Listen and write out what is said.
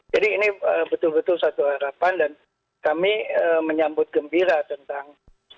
jadi ini betul betul satu harapan dan kami menyambut gembira tentang